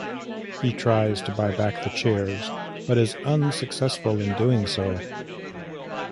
He tries to buy back the chairs, but is unsuccessful in doing so.